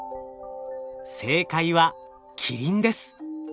正解はキリンです。